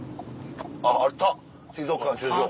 あっあった水族館駐車場。